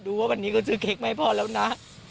ว่าวันนี้ก็ซื้อเค้กไหมพอแล้วนะ